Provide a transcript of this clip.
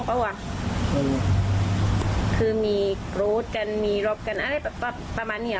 เปล่าว่ะคือมีโกรธกันมีรอบกันอะไรแบบแบบประมาณนี้เหรอ